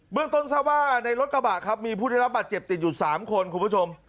เรื่องต้นทราบว่าในรถกระบะครับมีผู้ได้รับบาดเจ็บติดอยู่๓คนคุณผู้ชม